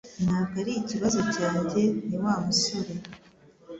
Ntabwo ari ikibazo cyanjye Ni Wa musore